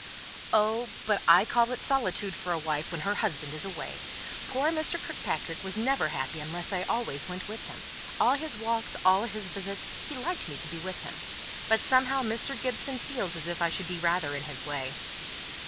"Oh, but I call it solitude for a wife when her husband is away. Poor Mr. Kirkpatrick was never happy unless I always went with him; all his walks, all his visits, he liked me to be with him. But, somehow, Mr. Gibson feels as if I should be rather in his way."